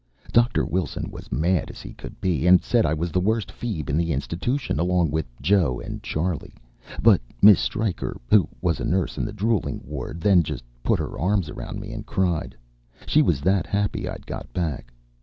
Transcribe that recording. Doctor Wilson was mad as could be, and said I was the worst feeb in the institution, along with Joe and Charley. But Miss Striker, who was a nurse in the drooling ward then, just put her arms around me and cried, she was that happy I'd got back.